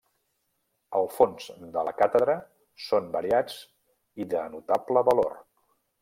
Els fons de la Càtedra són variats i de notable valor.